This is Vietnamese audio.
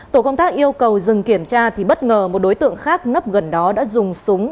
tổ công tác yêu cầu dừng kiểm tra thì bất ngờ một đối tượng khác nấp gần đó đã dùng súng